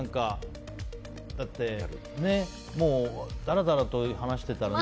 だって、だらだらと話してたらね。